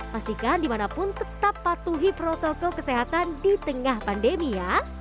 pastikan dimanapun tetap patuhi protokol kesehatan di tengah pandemi ya